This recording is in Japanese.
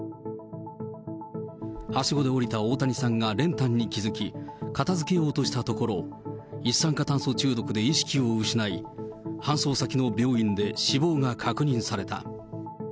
はしごで下りた大谷さんが練炭に気付き、片づけようとしたところ、一酸化炭素中毒で意識を失い、搬送先の病院で死亡が確認された。